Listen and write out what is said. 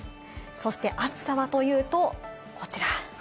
そして暑さはというと、こちら。